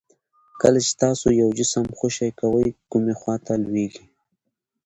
کله چې تاسو یو جسم خوشې کوئ کومې خواته لویږي؟